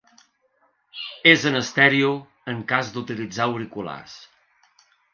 És en estèreo en cas d'utilitzar auriculars.